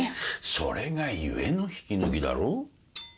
それが故の引き抜きだろう。